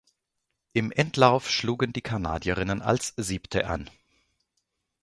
Im Endlauf schlugen die Kanadierinnen als Siebte an.